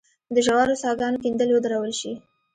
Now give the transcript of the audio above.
د ژورو څاه ګانو کیندل ودرول شي.